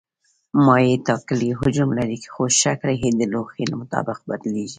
مایع ټاکلی حجم لري خو شکل یې د لوښي مطابق بدلېږي.